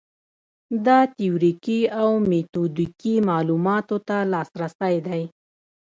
دا تیوریکي او میتودیکي معلوماتو ته لاسرسی دی.